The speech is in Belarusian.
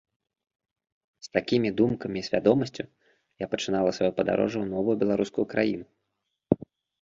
З такімі думкамі і свядомасцю я пачынала сваё падарожжа ў новую беларускую краіну.